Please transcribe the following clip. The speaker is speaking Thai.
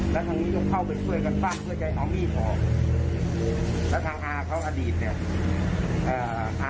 แล้วทางนี้ก็เข้าไปช่วยกันปั้งเพื่อจะเอามีดออกแล้วทางอาเขาอดีตเนี่ยอ่า